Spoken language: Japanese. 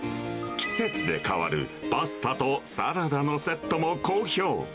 季節で替わるパスタとサラダのセットも好評。